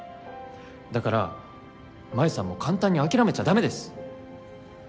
だから真夢さんも簡単に諦めちゃダメです！